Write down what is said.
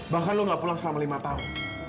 bahkan lu gak pulang selama lima tahun